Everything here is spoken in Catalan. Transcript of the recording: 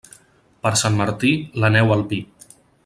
Per Sant Martí, la neu al pi.